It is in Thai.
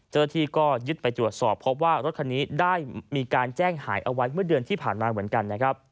เจ้าหน้าที่ก็ยึดไปตรวจสอบพบว่ารถคันนี้ได้มีการแจ้งหายเอาไว้เมื่อเดือนที่ผ่านมาเหมือนกันนะครับ